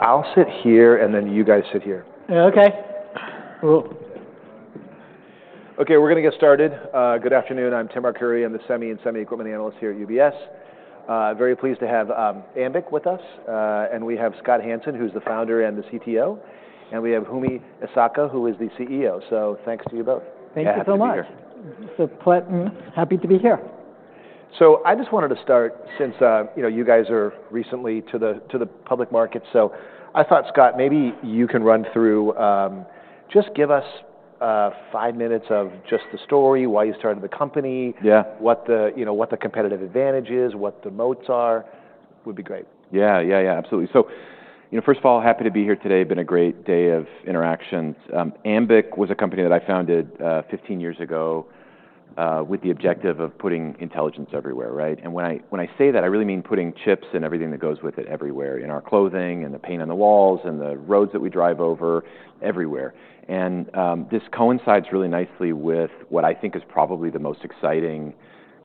I'll sit here, and then you guys sit here. Okay. Okay. We're going to get started. Good afternoon. I'm Tim R. Curry. I'm the Semi and Semi-Equipment Analyst here at UBS. Very pleased to have Ambiq with us, and we have Scott Hanson, who's the founder and the CTO, and we have Fumihide Esaka, who is the CEO. So thanks to you both. Thank you so much. Thank you, pleasant and happy to be here. So I just wanted to start, since you guys are recently to the public market. So I thought, Scott, maybe you can run through, just give us five minutes of just the story, why you started the company, what the competitive advantage is, what the moats are. Would be great. Yeah. Yeah. Yeah. Absolutely, so first of all, happy to be here today. It's been a great day of interactions. Ambiq was a company that I founded 15 years ago with the objective of putting intelligence everywhere, and when I say that, I really mean putting chips and everything that goes with it everywhere: in our clothing, and the paint on the walls, and the roads that we drive over, everywhere, and this coincides really nicely with what I think is probably the most exciting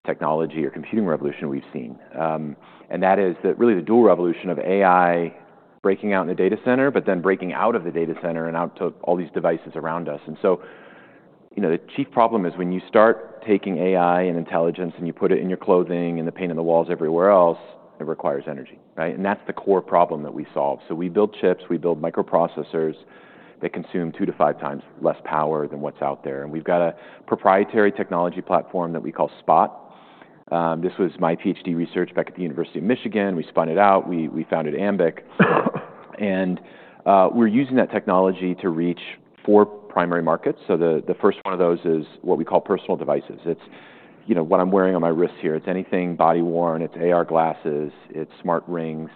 technology or computing revolution we've seen, and that is really the dual revolution of AI breaking out in the data center, but then breaking out of the data center and out to all these devices around us. And so the chief problem is when you start taking AI and intelligence and you put it in your clothing and the paint on the walls everywhere else, it requires energy. And that's the core problem that we solve. So we build chips. We build microprocessors that consume two to five times less power than what's out there. And we've got a proprietary technology platform that we call SPOT. This was my PhD research back at the University of Michigan. We spun it out. We founded Ambiq. And we're using that technology to reach four primary markets. So the first one of those is what we call personal devices. It's what I'm wearing on my wrist here. It's anything body-worn. It's AR glasses. It's smart rings.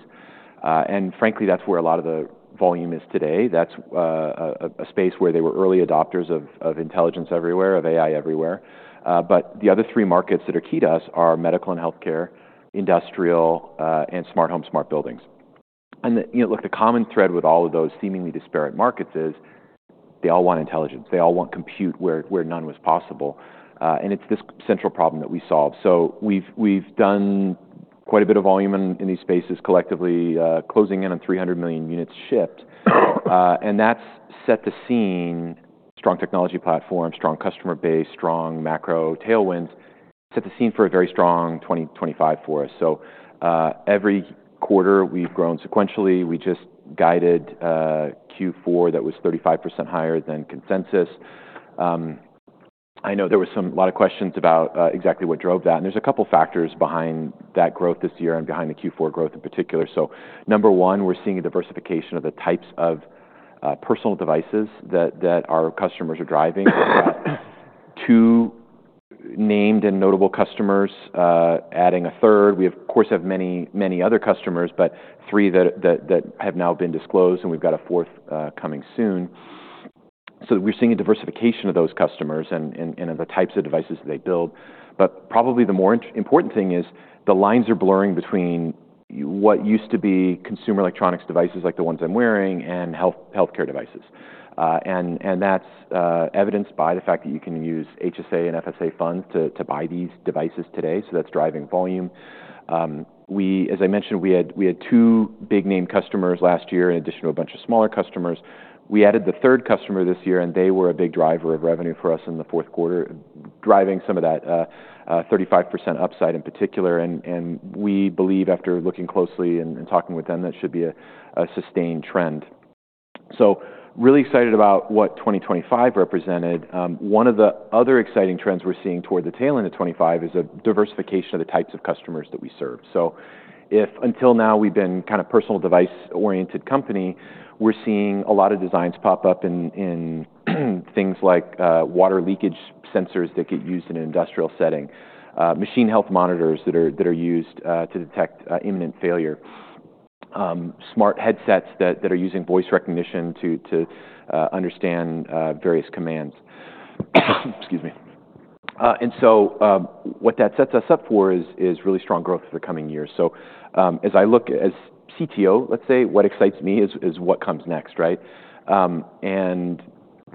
And frankly, that's where a lot of the volume is today. That's a space where they were early adopters of intelligence everywhere, of AI everywhere. But the other three markets that are key to us are medical and healthcare, industrial, and smart homes, smart buildings. And look, the common thread with all of those seemingly disparate markets is they all want intelligence. They all want compute where none was possible. And it's this central problem that we solve. So we've done quite a bit of volume in these spaces collectively, closing in on 300 million units shipped. And that's set the scene: strong technology platform, strong customer base, strong macro tailwinds. Set the scene for a very strong 2025 for us. So every quarter, we've grown sequentially. We just guided Q4 that was 35% higher than consensus. I know there were a lot of questions about exactly what drove that. And there's a couple of factors behind that growth this year and behind the Q4 growth in particular. So number one, we're seeing a diversification of the types of personal devices that our customers are driving. two named and notable customers, adding a third. We, of course, have many other customers, but three that have now been disclosed. And we've got a fourth coming soon. So we're seeing a diversification of those customers and of the types of devices that they build. But probably the more important thing is the lines are blurring between what used to be consumer electronics devices like the ones I'm wearing and healthcare devices. And that's evidenced by the fact that you can use HSA and FSA funds to buy these devices today. So that's driving volume. As I mentioned, we had two big-name customers last year in addition to a bunch of smaller customers. We added the third customer this year, and they were a big driver of revenue for us in the fourth quarter, driving some of that 35% upside in particular, and we believe, after looking closely and talking with them, that should be a sustained trend, so really excited about what 2025 represented. One of the other exciting trends we're seeing toward the tail end of 2025 is a diversification of the types of customers that we serve, so if until now we've been kind of a personal device-oriented company, we're seeing a lot of designs pop up in things like water leakage sensors that get used in an industrial setting, machine health monitors that are used to detect imminent failure, smart headsets that are using voice recognition to understand various commands. Excuse me. And so what that sets us up for is really strong growth for the coming years. As I look as the CTO, let's say, what excites me is what comes next. And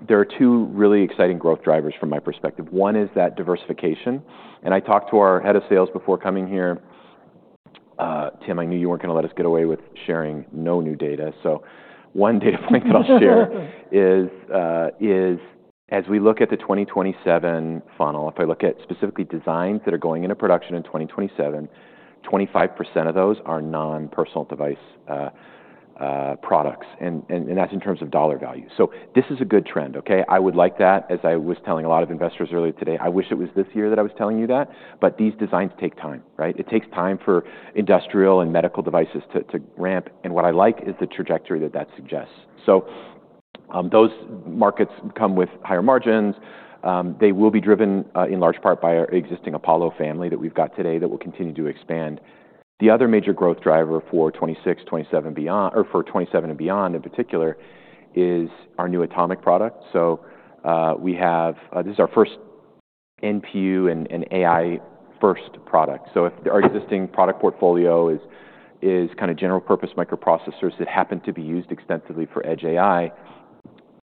there are two really exciting growth drivers from my perspective. One is that diversification. And I talked to our head of sales before coming here. Tim, I knew you weren't going to let us get away with sharing no new data. So one data point that I'll share is, as we look at the 2027 funnel, if I look at specifically designs that are going into production in 2027, 25% of those are non-personal device products. And that's in terms of dollar value. So this is a good trend. I would like that. As I was telling a lot of investors earlier today, I wish it was this year that I was telling you that. But these designs take time. It takes time for industrial and medical devices to ramp. What I like is the trajectory that that suggests. Those markets come with higher margins. They will be driven in large part by our existing Apollo family that we've got today that will continue to expand. The other major growth driver for 2026, 2027, or for 2027 and beyond in particular is our new Atomic product. This is our first NPU and AI-first product. Our existing product portfolio is kind of general-purpose microprocessors that happen to be used extensively for edge AI.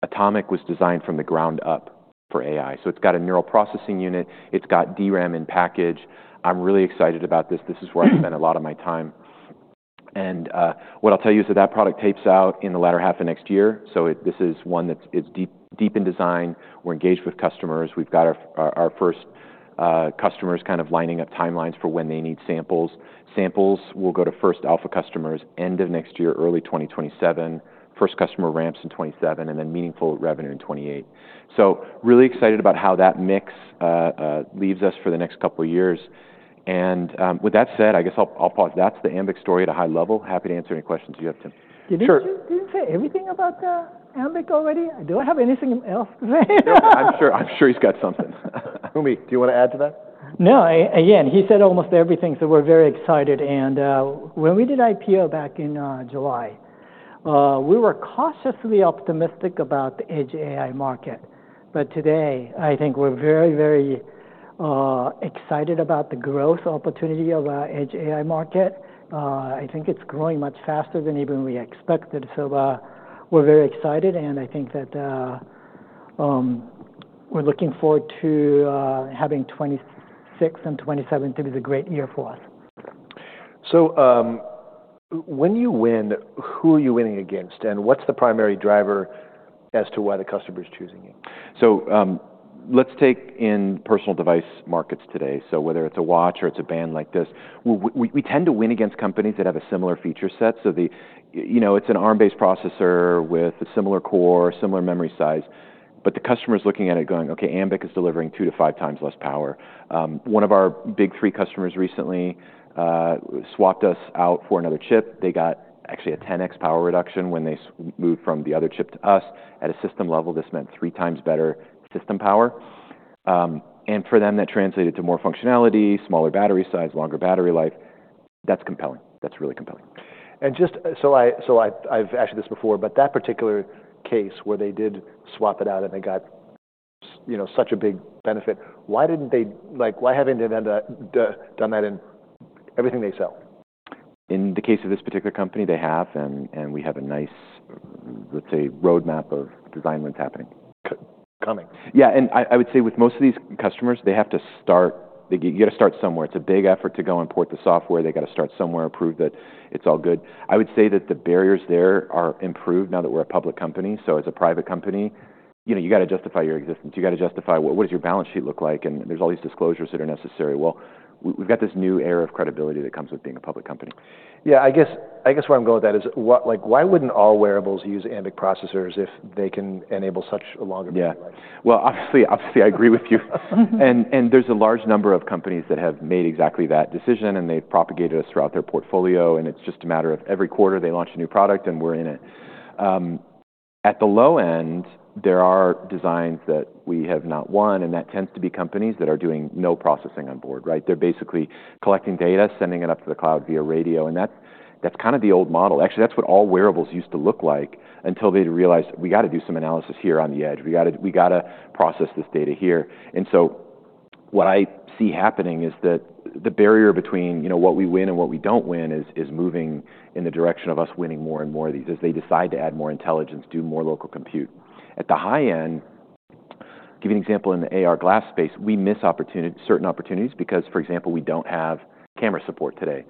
Atomic was designed from the ground up for AI. It's got a neural processing unit. It's got DRAM in package. I'm really excited about this. This is where I spend a lot of my time. What I'll tell you is that that product tapes out in the latter half of next year. This is one that's deep in design. We're engaged with customers. We've got our first customers kind of lining up timelines for when they need samples. Samples will go to first alpha customers end of next year, early 2027, first customer ramps in 2027, and then meaningful revenue in 2028. So really excited about how that mix leaves us for the next couple of years. And with that said, I guess I'll pause. That's the Ambiq story at a high level. Happy to answer any questions you have, Tim. Did he say everything about Ambiq already? I don't have anything else to say. I'm sure he's got something. Fumihide, do you want to add to that? No. Again, he said almost everything, so we're very excited. And when we did IPO back in July, we were cautiously optimistic about the edge AI market, but today, I think we're very, very excited about the growth opportunity of our edge AI market. I think it's growing much faster than even we expected, so we're very excited, and I think that we're looking forward to having 2026 and 2027 to be a great year for us. So when you win, who are you winning against? And what's the primary driver as to why the customer is choosing you? So let's take in personal device markets today. So whether it's a watch or it's a band like this, we tend to win against companies that have a similar feature set. So it's an Arm-based processor with a similar core, similar memory size. But the customer is looking at it going, "Okay, Ambiq is delivering two to five times less power." One of our big three customers recently swapped us out for another chip. They got actually a 10x power reduction when they moved from the other chip to us. At a system level, this meant three times better system power. And for them, that translated to more functionality, smaller battery size, longer battery life. That's compelling. That's really compelling. Just so I've asked you this before, but that particular case where they did swap it out and they got such a big benefit, why haven't they done that in everything they sell? In the case of this particular company, they have, and we have a nice, let's say, roadmap of design when it's happening. Coming. Yeah. And I would say with most of these customers, they have to start. You got to start somewhere. It's a big effort to go and port the software. They got to start somewhere, prove that it's all good. I would say that the barriers there are improved now that we're a public company. So as a private company, you got to justify your existence. You got to justify what does your balance sheet look like? And there's all these disclosures that are necessary. Well, we've got this new era of credibility that comes with being a public company. Yeah. I guess where I'm going with that is, why wouldn't all wearables use Ambiq processors if they can enable such a longer battery life? Yeah. Well, obviously, I agree with you. And there's a large number of companies that have made exactly that decision. And they've propagated us throughout their portfolio. And it's just a matter of every quarter they launch a new product and we're in it. At the low end, there are designs that we have not won. And that tends to be companies that are doing no processing on board. They're basically collecting data, sending it up to the cloud via radio. And that's kind of the old model. Actually, that's what all wearables used to look like until they realized, "We got to do some analysis here on the edge. “We got to process this data here,” and so what I see happening is that the barrier between what we win and what we don't win is moving in the direction of us winning more and more of these as they decide to add more intelligence, do more local compute. At the high end, to give you an example in the AR glass space, we miss certain opportunities because, for example, we don't have camera support today.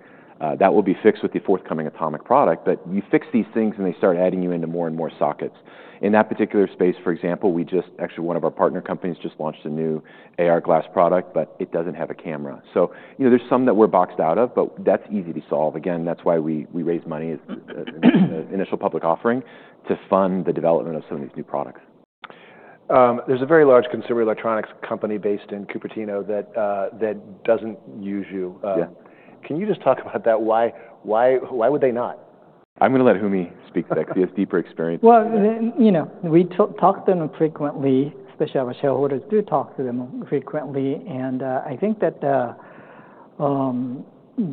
That will be fixed with the forthcoming Atomic product. But you fix these things and they start adding you into more and more sockets. In that particular space, for example, we just actually, one of our partner companies just launched a new AR glass product, but it doesn't have a camera. So there's some that we're boxed out of, but that's easy to solve. Again, that's why we raise money, initial public offering, to fund the development of some of these new products. There's a very large consumer electronics company based in Cupertino that doesn't use you. Can you just talk about that? Why would they not? I'm going to let Fumihide speak to that because he has deeper experience. We talk to them frequently, especially our shareholders do talk to them frequently. I think that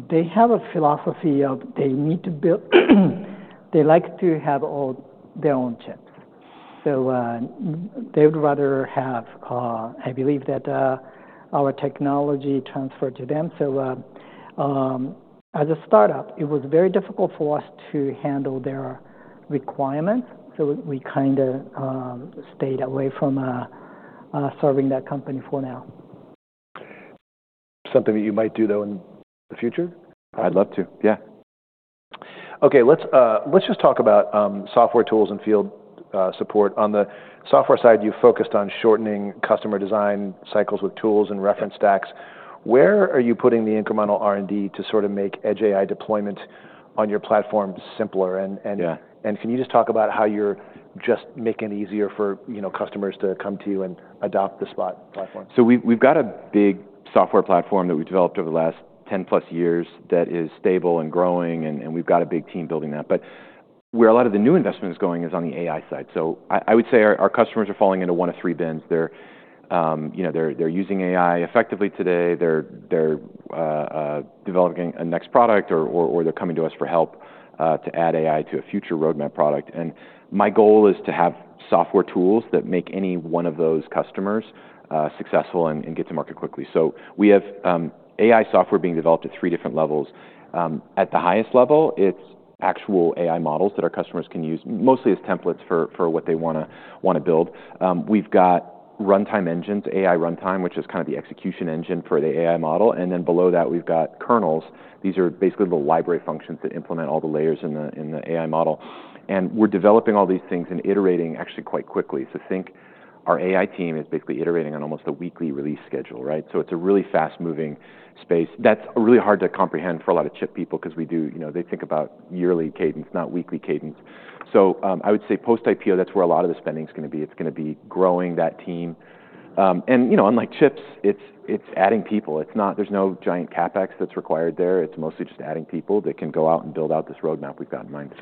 they have a philosophy of they need to build, they like to have all their own chips. They would rather have, I believe, that our technology transferred to them. As a startup, it was very difficult for us to handle their requirements. We kind of stayed away from serving that company for now. Something that you might do, though, in the future? I'd love to. Yeah. Okay. Let's just talk about software tools and field support. On the software side, you focused on shortening customer design cycles with tools and reference stacks. Where are you putting the incremental R&D to sort of make Edge AI deployment on your platform simpler, and can you just talk about how you're just making it easier for customers to come to you and adopt the SPOT platform? We've got a big software platform that we've developed over the last 10+ years that is stable and growing. We've got a big team building that. Where a lot of the new investment is going is on the AI side. I would say our customers are falling into one of three bins. They're using AI effectively today. They're developing a next product or they're coming to us for help to add AI to a future roadmap product. My goal is to have software tools that make any one of those customers successful and get to market quickly. We have AI software being developed at three different levels. At the highest level, it's actual AI models that our customers can use mostly as templates for what they want to build. We've got runtime engines, AI runtime, which is kind of the execution engine for the AI model, and then below that, we've got kernels. These are basically the library functions that implement all the layers in the AI model, and we're developing all these things and iterating actually quite quickly, so think our AI team is basically iterating on almost a weekly release schedule, so it's a really fast-moving space. That's really hard to comprehend for a lot of chip people because they think about yearly cadence, not weekly cadence, so I would say post-IPO, that's where a lot of the spending is going to be. It's going to be growing that team, and unlike chips, it's adding people. There's no giant CapEx that's required there. It's mostly just adding people that can go out and build out this roadmap we've got in mind.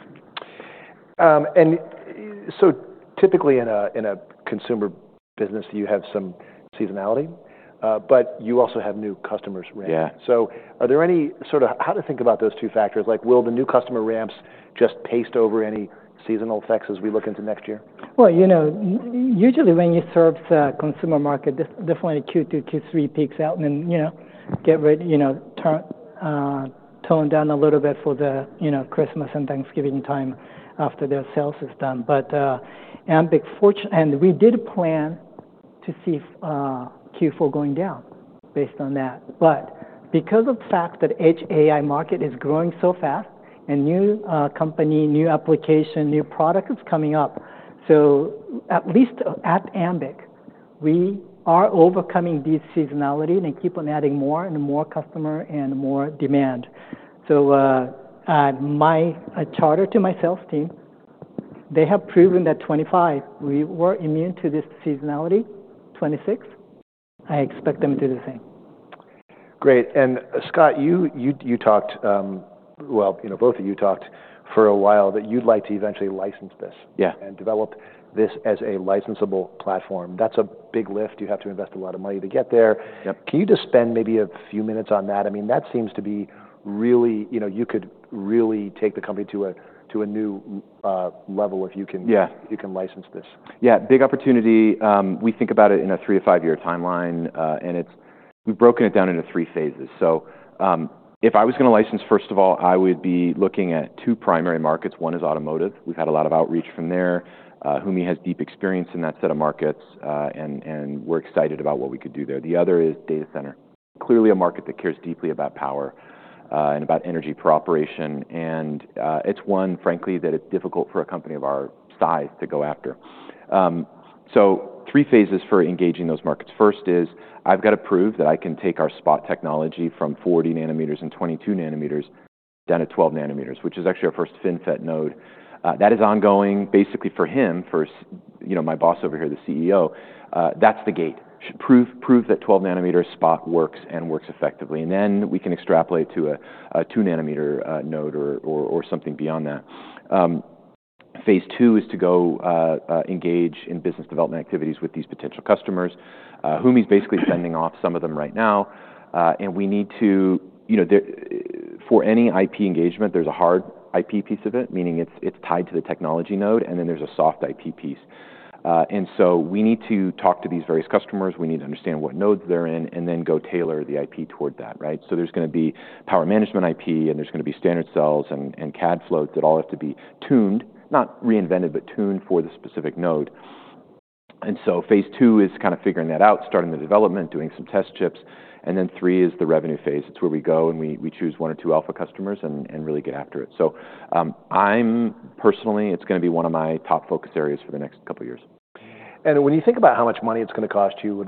Typically in a consumer business, you have some seasonality, but you also have new customers ramping. Are there any sort of how to think about those two factors? Will the new customer ramps just paste over any seasonal effects as we look into next year? Usually when you serve the consumer market, definitely Q2, Q3 peaks out and then get turned down a little bit for the Christmas and Thanksgiving time after their sales is done. But Ambiq, and we did plan to see Q4 going down based on that. But because of the fact that Edge AI market is growing so fast and new company, new application, new product is coming up, so at least at Ambiq, we are overcoming this seasonality and keep on adding more and more customer and more demand. So my charter to my sales team, they have proven that 2025 we were immune to this seasonality. 2026, I expect them to do the same. Great. And Scott, you talked. Well, both of you talked for a while that you'd like to eventually license this and develop this as a licensable platform. That's a big lift. You have to invest a lot of money to get there. Can you just spend maybe a few minutes on that? I mean, that seems to be really. You could really take the company to a new level if you can license this. Yeah. Big opportunity. We think about it in a three to five-year timeline, and we've broken it down into three phases, so if I was going to license, first of all, I would be looking at two primary markets. One is automotive. We've had a lot of outreach from there. Fumihide has deep experience in that set of markets, and we're excited about what we could do there. The other is data center. Clearly a market that cares deeply about power and about energy per operation, and it's one, frankly, that's difficult for a company of our size to go after, so three phases for engaging those markets. First is I've got to prove that I can take our SPOT technology from 40 nanometers and 22 nanometers down to 12 nanometers, which is actually our first FinFET node. That is ongoing basically for him, for my boss over here, the CEO. That's the gate. Prove that 12 nanometer SPOT works and works effectively, and then we can extrapolate to a 2 nanometer node or something beyond that. Phase two is to go engage in business development activities with these potential customers. Fumihide is basically sending off some of them right now, and we need to, for any IP engagement, there's a hard IP piece of it, meaning it's tied to the technology node, and then there's a soft IP piece, and so we need to talk to these various customers. We need to understand what nodes they're in and then go tailor the IP toward that, so there's going to be power management IP, and there's going to be standard cells and CAD flows that all have to be tuned, not reinvented, but tuned for the specific node. And so phase two is kind of figuring that out, starting the development, doing some test chips. And then three is the revenue phase. It's where we go and we choose one or two alpha customers and really get after it. So I'm personally, it's going to be one of my top focus areas for the next couple of years. When you think about how much money it's going to cost you,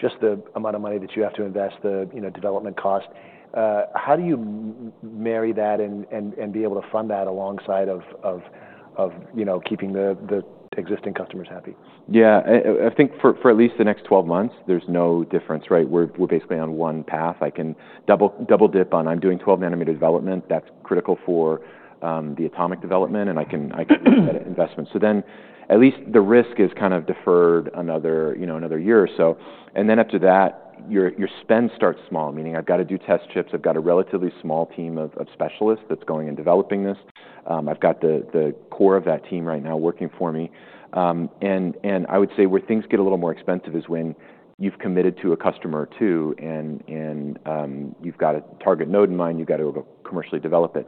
just the amount of money that you have to invest, the development cost, how do you marry that and be able to fund that alongside of keeping the existing customers happy? Yeah. I think for at least the next 12 months, there's no difference. We're basically on one path. I can double dip on I'm doing 12 nanometer development. That's critical for the Atomic development. And I can look at investments. So then at least the risk is kind of deferred another year or so. And then after that, your spend starts small, meaning I've got to do test chips. I've got a relatively small team of specialists that's going and developing this. I've got the core of that team right now working for me. And I would say where things get a little more expensive is when you've committed to a customer or two. And you've got a target node in mind. You've got to commercially develop it.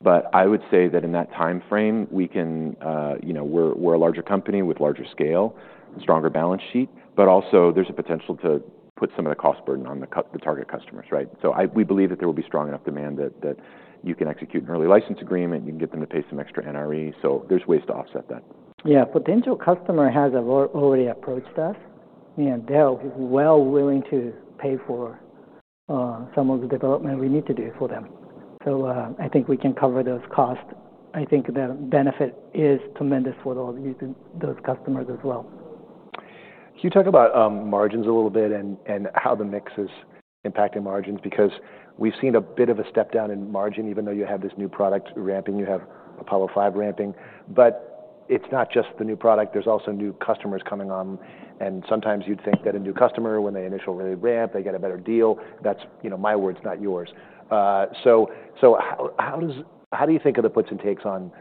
But I would say that in that time frame, we're a larger company with larger scale, stronger balance sheet. But also there's a potential to put some of the cost burden on the target customers. So we believe that there will be strong enough demand that you can execute an early license agreement. You can get them to pay some extra NRE. So there's ways to offset that. Yeah. Potential customer has already approached us. They're well willing to pay for some of the development we need to do for them. So I think we can cover those costs. I think the benefit is tremendous for those customers as well. Can you talk about margins a little bit and how the mix is impacting margins? Because we've seen a bit of a step down in margin, even though you have this new product ramping. You have Apollo 5 ramping. But it's not just the new product. There's also new customers coming on. And sometimes you'd think that a new customer, when their initial ramp, they get a better deal. That's my words, not yours. So how do you think of the puts and takes on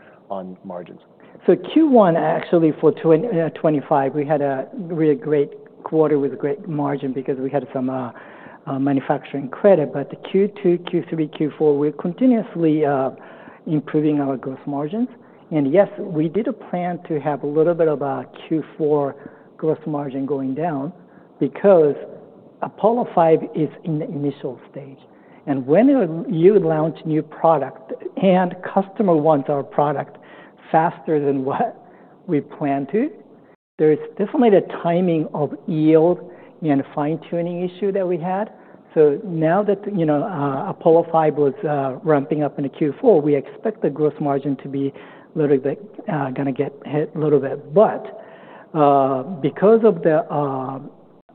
margins? So, Q1 actually for 2025, we had a really great quarter with a great margin because we had some manufacturing credit. But Q2, Q3, Q4, we're continuously improving our gross margins. And yes, we did plan to have a little bit of a Q4 gross margin going down because Apollo 5 is in the initial stage. And when you launch a new product and customer wants our product faster than what we planned to, there's definitely the timing of yield and fine-tuning issue that we had. So now that Apollo 5 was ramping up in Q4, we expect the gross margin to be a little bit going to get hit a little bit. But because of the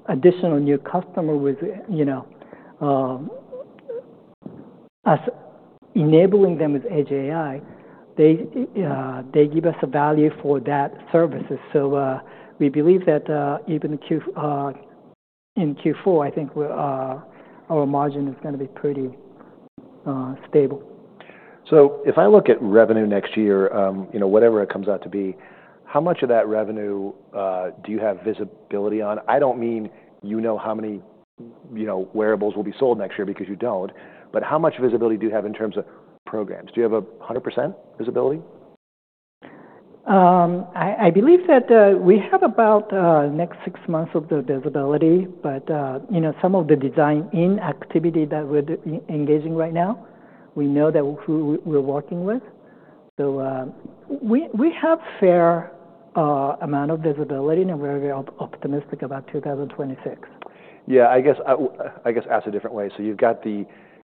additional new customer with us enabling them with edge AI, they give us a value for that service. So we believe that even in Q4, I think our margin is going to be pretty stable. So if I look at revenue next year, whatever it comes out to be, how much of that revenue do you have visibility on? I don't mean you know how many wearables will be sold next year because you don't. But how much visibility do you have in terms of programs? Do you have 100% visibility? I believe that we have about the next six months of visibility. But some of the design-in activity that we're engaging in right now, we know that we're working with. So we have a fair amount of visibility and we're very optimistic about 2026. Yeah. I guess ask a different way. So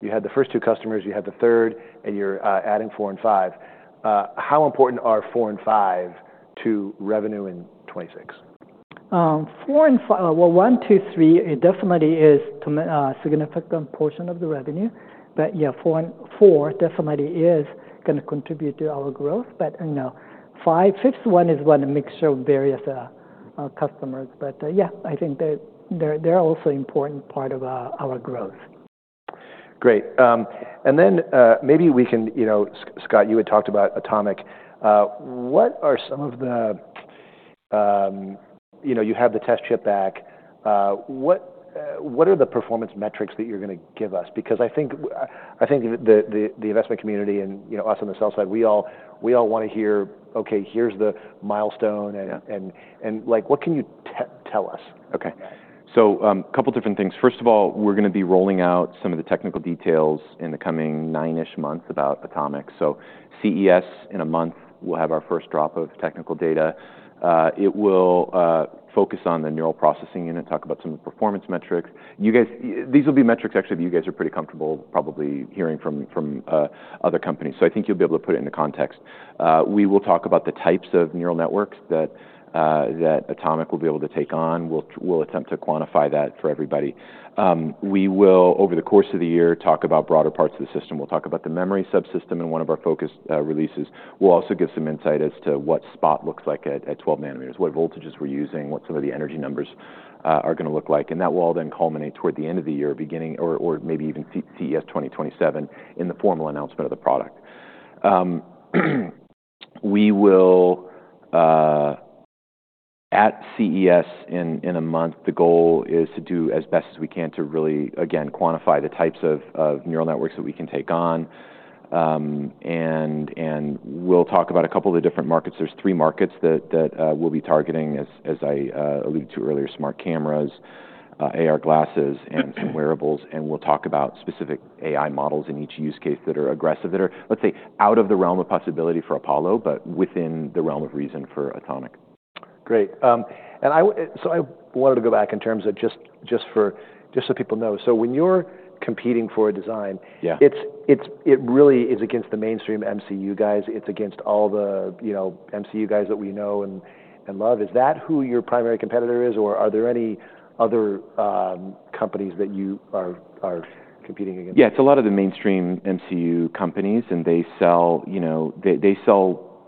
you had the first two customers. You had the third. And you're adding four and five. How important are four and five to revenue in 2026? Four and five, well, one, two, three, it definitely is a significant portion of the revenue. But yeah, four definitely is going to contribute to our growth. But fifth one is one mixture of various customers. But yeah, I think they're also an important part of our growth. Great. And then maybe we can, Scott, you had talked about Atomic. You have the test chip back. What are the performance metrics that you're going to give us? Because I think the investment community and us on the sell side, we all want to hear, okay, here's the milestone. And what can you tell us? Okay. So a couple of different things. First of all, we're going to be rolling out some of the technical details in the coming nine-ish months about Atomic. So CES in a month, we'll have our first drop of technical data. It will focus on the neural processing unit, talk about some of the performance metrics. These will be metrics actually that you guys are pretty comfortable probably hearing from other companies. So I think you'll be able to put it into context. We will talk about the types of neural networks that Atomic will be able to take on. We'll attempt to quantify that for everybody. We will, over the course of the year, talk about broader parts of the system. We'll talk about the memory subsystem in one of our focused releases. We'll also give some insight as to what SPOT looks like at 12 nanometers, what voltages we're using, what some of the energy numbers are going to look like. And that will all then culminate toward the end of the year, beginning or maybe even CES 2027 in the formal announcement of the product. At CES in a month, the goal is to do as best as we can to really, again, quantify the types of neural networks that we can take on. And we'll talk about a couple of the different markets. There's three markets that we'll be targeting, as I alluded to earlier, smart cameras, AR glasses, and some wearables. And we'll talk about specific AI models in each use case that are aggressive, that are, let's say, out of the realm of possibility for Apollo, but within the realm of reason for Atomic. Great. And so I wanted to go back in terms of just so people know. So when you're competing for a design, it really is against the mainstream MCU guys. It's against all the MCU guys that we know and love. Is that who your primary competitor is? Or are there any other companies that you are competing against? Yeah. It's a lot of the mainstream MCU companies. And they sell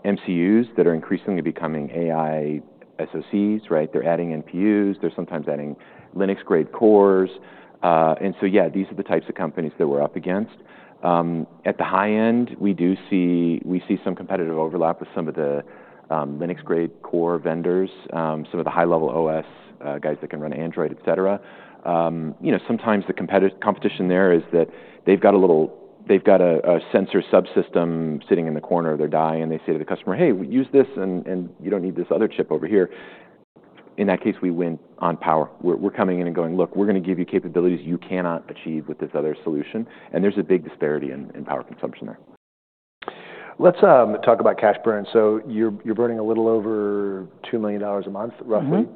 MCUs that are increasingly becoming AI SoCs. They're adding NPUs. They're sometimes adding Linux-grade cores. And so yeah, these are the types of companies that we're up against. At the high end, we see some competitive overlap with some of the Linux-grade core vendors, some of the high-level OS guys that can run Android, etc. Sometimes the competition there is that they've got a sensor subsystem sitting in the corner of their die. And they say to the customer, "Hey, use this. And you don't need this other chip over here." In that case, we win on power. We're coming in and going, "Look, we're going to give you capabilities you cannot achieve with this other solution." And there's a big disparity in power consumption there. Let's talk about cash burn. So you're burning a little over $2 million a month, roughly,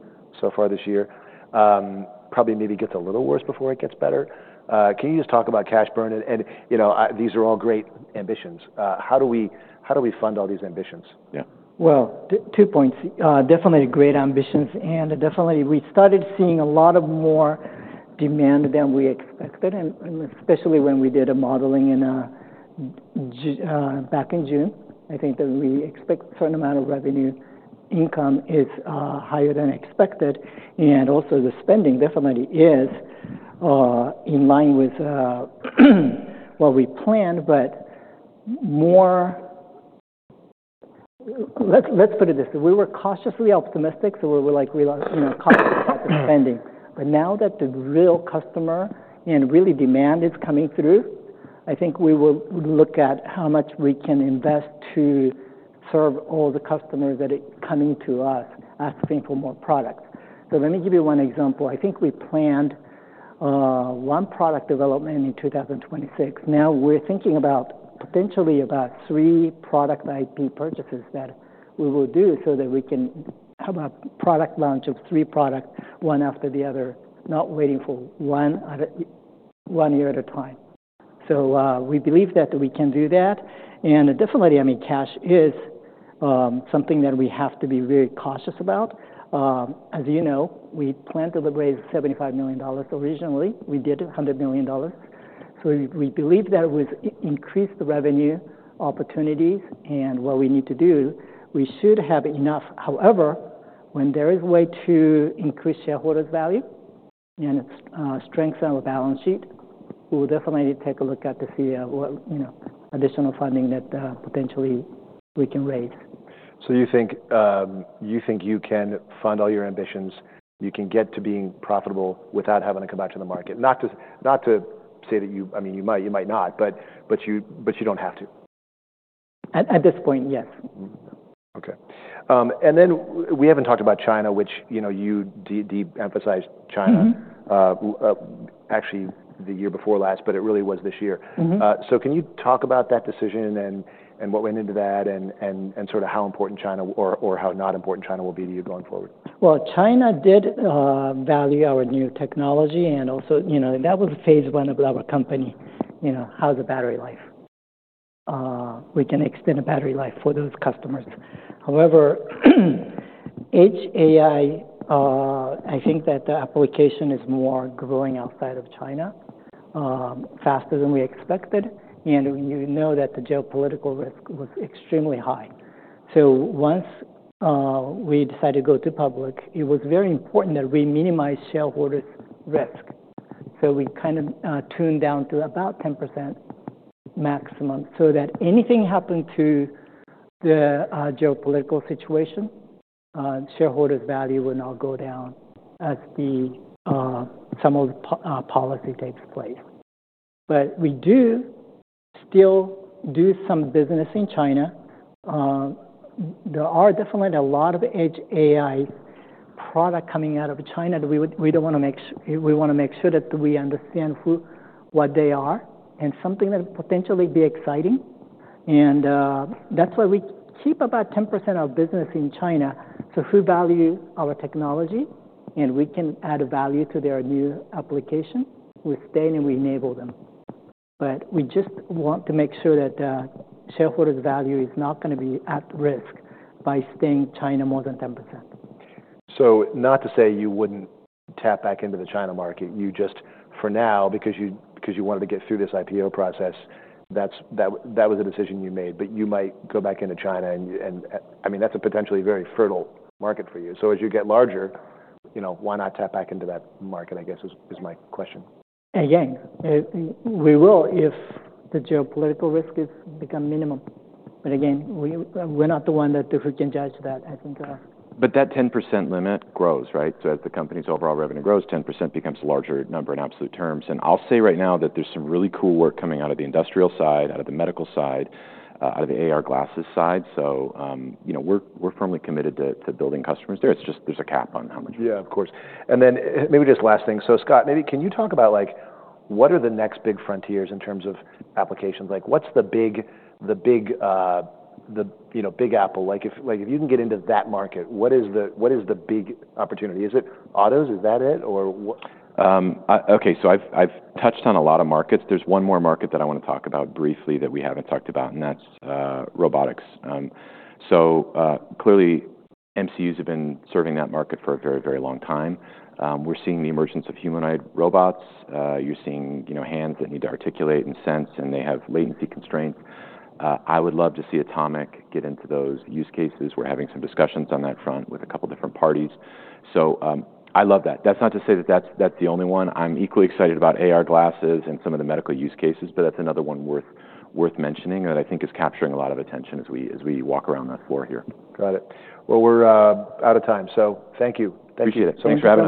so far this year. Probably maybe gets a little worse before it gets better. Can you just talk about cash burn? And these are all great ambitions. How do we fund all these ambitions? Yeah. Two points. Definitely great ambitions. Definitely we started seeing a lot more demand than we expected, especially when we did a modeling back in June. I think that we expect a certain amount of revenue income is higher than expected. Also the spending definitely is in line with what we planned, but more let's put it this way. We were cautiously optimistic. We were cautious about the spending. Now that the real customer and really demand is coming through, I think we will look at how much we can invest to serve all the customers that are coming to us asking for more products. Let me give you one example. I think we planned one product development in 2026. Now we're thinking about potentially about three product IP purchases that we will do so that we can have a product launch of three products, one after the other, not waiting for one year at a time. So we believe that we can do that. And definitely, I mean, cash is something that we have to be very cautious about. As you know, we planned to raise $75 million originally. We did $100 million. So we believe that it would increase the revenue opportunities and what we need to do. We should have enough. However, when there is a way to increase shareholders' value and strengthen our balance sheet, we will definitely take a look at to see what additional funding that potentially we can raise. So you think you can fund all your ambitions. You can get to being profitable without having to come back to the market. Not to say that you, I mean, you might. You might not. But you don't have to. At this point, yes. Okay. And then we haven't talked about China, which you de-emphasized China actually the year before last, but it really was this year. So can you talk about that decision and what went into that and sort of how important China or how not important China will be to you going forward? China did value our new technology. And also that was phase one of our company, how's the battery life? We can extend the battery life for those customers. However, edge AI, I think that the application is more growing outside of China faster than we expected. And you know that the geopolitical risk was extremely high. So once we decided to go public, it was very important that we minimize shareholders' risk. So we kind of tuned down to about 10% maximum so that anything happened to the geopolitical situation, shareholders' value will not go down as some of the policy takes place. But we do still do some business in China. There are definitely a lot of Edge AI products coming out of China that we want to make sure that we understand what they are and something that potentially be exciting. That's why we keep about 10% of our business in China. Who values our technology and we can add value to their new application, we stay and we enable them. We just want to make sure that shareholders' value is not going to be at risk by staying in China more than 10%. So not to say you wouldn't tap back into the China market. You just, for now, because you wanted to get through this IPO process, that was a decision you made. But you might go back into China. And I mean, that's a potentially very fertile market for you. So as you get larger, why not tap back into that market, I guess, is my question. Again, we will if the geopolitical risk has become minimal. But again, we're not the one that can judge that, I think. But that 10% limit grows, right? So as the company's overall revenue grows, 10% becomes a larger number in absolute terms. And I'll say right now that there's some really cool work coming out of the industrial side, out of the medical side, out of the AR glasses side. So we're firmly committed to building customers there. It's just there's a cap on how much. Yeah, of course. And then maybe just last thing. So Scott, maybe can you talk about what are the next big frontiers in terms of applications? What's the big Apple? If you can get into that market, what is the big opportunity? Is it autos? Is that it? Okay, so I've touched on a lot of markets. There's one more market that I want to talk about briefly that we haven't talked about, and that's robotics, so clearly, MCUs have been serving that market for a very, very long time. We're seeing the emergence of humanoid robots. You're seeing hands that need to articulate and sense, and they have latency constraints. I would love to see Atomic get into those use cases. We're having some discussions on that front with a couple of different parties, so I love that. That's not to say that that's the only one. I'm equally excited about AR glasses and some of the medical use cases, but that's another one worth mentioning that I think is capturing a lot of attention as we walk around that floor here. Got it. Well, we're out of time. So thank you. Appreciate it. Thank you so much.